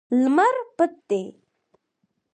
لمر پټ دی